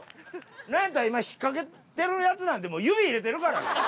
なんやったら今引っかけてるやつなんて指入れてるからね！